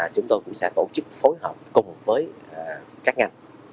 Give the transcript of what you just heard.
chúng tôi cũng sẽ tổ chức phối hợp cùng với các ngành